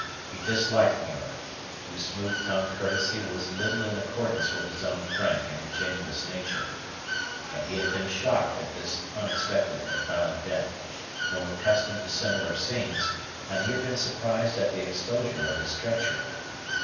He disliked Muir, whose smooth tongued courtesy was little in accordance with his own frank and ingenuous nature; but he had been shocked at his unexpected and violent death, though accustomed to similar scenes, and he had been surprised at the exposure of his treachery.